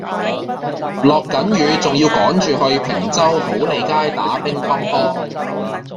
落緊雨仲要趕住去坪洲好利街打乒乓波